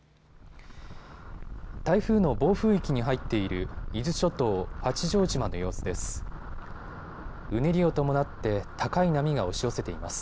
台風の暴風域に入っている伊豆諸島八丈島の様子です。